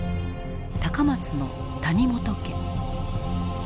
高松の谷本家。